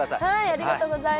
ありがとうございます。